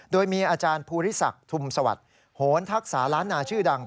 โดยมีอาจารย์ภูริศักดิ์ทุมสวัสดิ์โหนทักษาล้านนาชื่อดัง